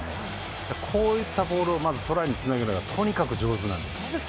こういったボールをまずトライにつなげるのがとにかく上手なんです。